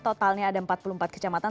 totalnya ada empat puluh empat kecamatan